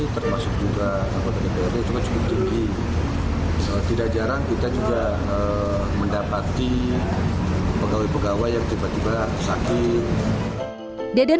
termasuk juga tidak jarang kita juga mendapati pegawai pegawai yang tiba tiba sakit deden